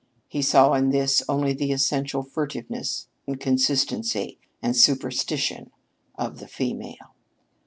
He saw in this only the essential furtiveness, inconsistency, and superstition of the female.